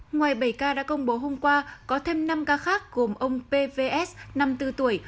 ngoài bảy ca đã công bố hôm qua có thêm năm ca khác gồm ông pvs năm mươi bốn tuổi